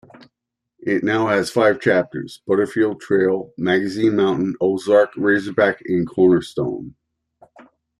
It now has five chapters: Butterfield Trail, Magazine Mountain, Ozark, Razorback and Cornerstone.